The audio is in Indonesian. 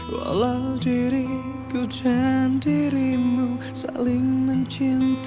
walau diriku dan dirimu saling mencintai